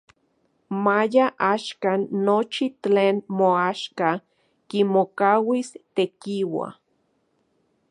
Maya axkan nochi tlen moaxka kimokauis Tekiua.